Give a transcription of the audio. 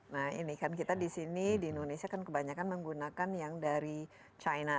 nah ini kan kita di sini di indonesia kan kebanyakan menggunakan yang dari china